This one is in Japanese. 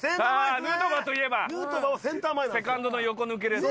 ヌートバーといえばセカンドの横抜けです。